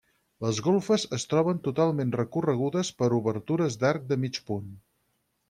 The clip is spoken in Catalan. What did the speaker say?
Les golfes es troben totalment recorregudes per obertures d'arc de mig punt.